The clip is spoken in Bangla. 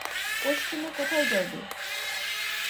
পশ্চিমে কোথায় যাইবে।